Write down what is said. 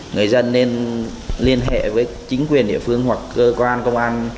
người dân nên liên hệ với chính quyền địa phương hoặc cơ quan công an